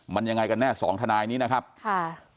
มันยังไงกันแน่สองทนายนี้นะครับค่ะ